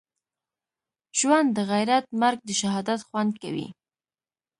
ژوند دغیرت مرګ دښهادت خوند کوی